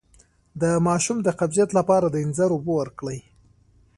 د ماشوم د قبضیت لپاره د انځر اوبه ورکړئ